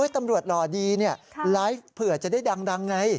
ตำรวจหล่อดีไลฟ์เผื่อจะได้ดังไง